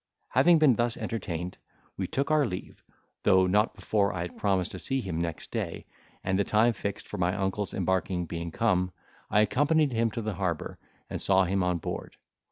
Having been thus entertained, we took our leave, though not before I had promised to see him next day, and the time fixed for my uncle's embarking being come, I accompanied him to the harbour, and saw him on board.